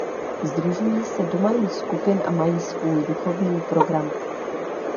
Sdružují se do malých skupin a mají svůj duchovní program.